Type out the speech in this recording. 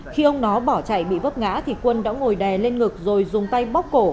khi ông nó bỏ chạy bị vấp ngã thì quân đã ngồi đè lên ngực rồi dùng tay bóc cổ